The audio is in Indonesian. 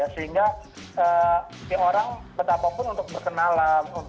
sehingga orang betapapun untuk berkenalan